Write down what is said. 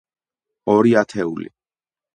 ორი ათეული.